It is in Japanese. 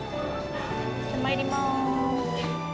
まいります。